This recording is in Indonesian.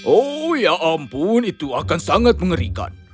oh ya ampun itu akan sangat mengerikan